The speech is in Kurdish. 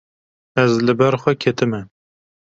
Ez li ber xwe ketime.